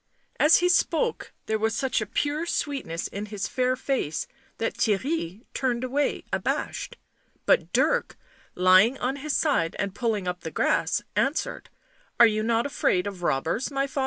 As he spoke there was such a pure sweetness in his fair face that Theirry turned away abashed, but Dirk, lying on his side and pulling up the grass, answered :" Are you not afraid of robbers, my father?"